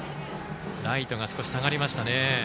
ライトが少し下がりましたね。